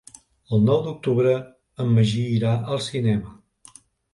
El nou d'octubre en Magí irà al cinema.